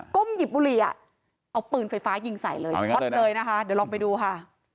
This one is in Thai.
หยิบบุหรี่อ่ะเอาปืนไฟฟ้ายิงใส่เลยช็อตเลยนะคะเดี๋ยวลองไปดูค่ะ